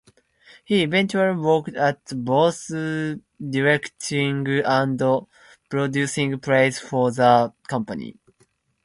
He eventually worked at both directing and producing plays for the company.